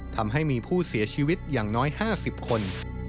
ทำให้มีผู้เสียชีวิตอย่างน้อย๕๐คน